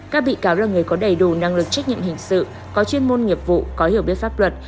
các bị cáo là người có đầy đủ năng lực trách nhiệm hình sự có chuyên môn nghiệp vụ có hiểu biết pháp luật